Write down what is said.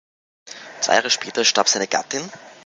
Zwei Jahre später starb seine Gattin.